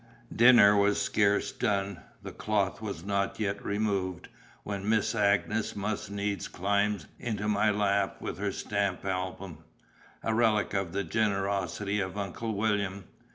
Dinner was scarce done, the cloth was not yet removed, when Miss Agnes must needs climb into my lap with her stamp album, a relic of the generosity of Uncle William.